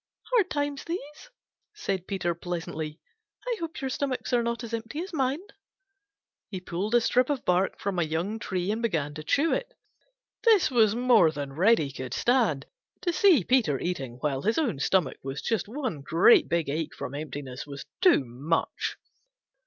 "Hard times these," said Peter pleasantly. "I hope your stomachs are not as empty as mine." He pulled a strip of bark from a young tree and began to chew it. This was more than Reddy could stand. To see Peter eating while his own stomach was just one great big ache from emptiness was too much.